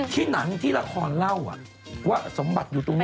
ที่หนังที่ละครเล่าว่าสมบัติอยู่ตรงนี้